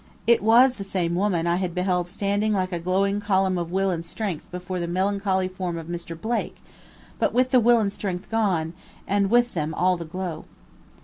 It was the same woman I had beheld standing like a glowing column of will and strength before the melancholy form of Mr. Blake, but with the will and strength gone, and with them all the glow.